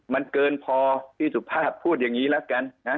มันเกินพอที่สุพาสภูมิพูดอย่างนี้แล้วกัน